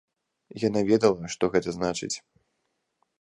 Яна ведала, што гэта значыць.